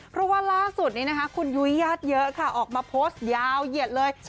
เพราะว่าล่าสุดนี้นะคะคุณยุ้ยญาติเยอะค่ะออกมาโพสต์ยาวเหยียดเลย